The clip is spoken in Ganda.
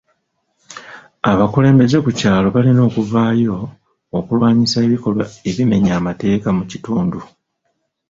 Abakulembeze ku kyalo balina okuvaayo okulwanyisa ebikolwa ebimenya amateeka mu kitundu.